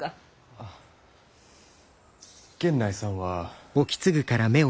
あ源内さんは。